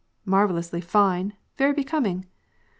" Marvellously fine ; very becoming